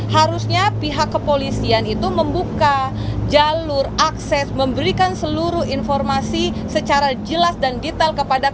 harusnya pihak kepolisian itu membuka jalur akses memberikan seluruh informasi secara jelas dan detail kepada korban